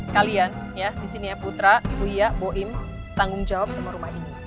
kalian ya disini ya putra uya bo aem tanggung jawab sama rumah ini